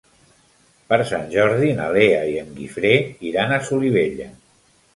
Per Sant Jordi na Lea i en Guifré iran a Solivella.